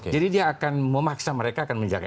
jadi dia akan memaksa mereka akan menjaga